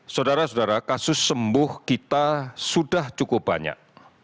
saudara saudara kasus sembuh kita sudah cukup banyak